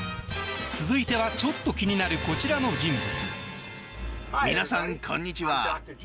続いてはちょっと気になるこちらの人物。